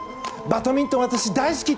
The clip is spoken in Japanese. バドミントン、私大好き！